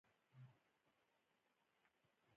د سختې تلاشۍ وروسته.